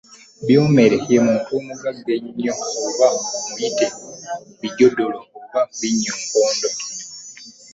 Byomere ye muntu omugagga ennyo oba muyite bijodolo oba Binnyonkondo.